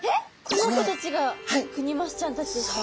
この子たちがクニマスちゃんたちですか？